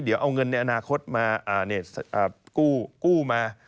เดี๋ยวเอาเงินในอนาคตมากู้มา